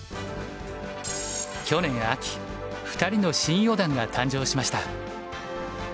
去年秋２人の新四段が誕生しました。